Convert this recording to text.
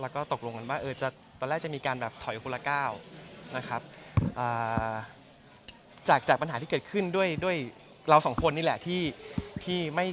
คือจริงคือแค่งอนกันหรือว่า